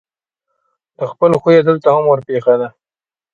له خپل خویه دلته هم ورپېښه ده.